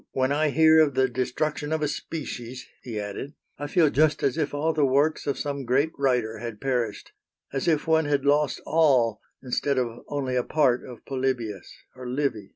"When I hear of the destruction of a species," he added, "I feel just as if all the works of some great writer had perished; as if one had lost all instead of only a part of Polybius or Livy."